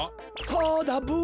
そうだブ。